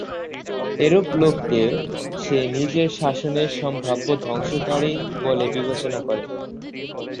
এরূপ লোককে সে নিজের শাসনের সম্ভাব্য ধ্বংসকারী বলে বিবেচনা করে।